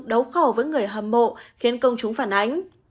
đấu khẩu với người hâm mộ khiến công chúng phản ánh